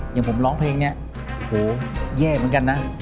อย่างผมร้องเพลงนี้โหแย่เหมือนกันนะ